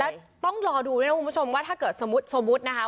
แล้วต้องรอดูด้วยนะคุณผู้ชมว่าถ้าเกิดสมมุติสมมุตินะคะ